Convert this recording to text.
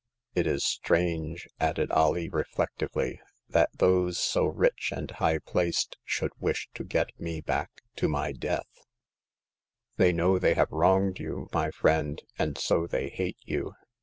It is strange," added Alee, reflectively, "that those so rich and high placed should wish to get me back to my death," "They know they have wronged you, my friend, and so they hate you.